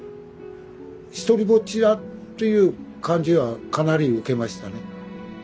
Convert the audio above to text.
独りぼっちだっていう感じはかなり受けましたね。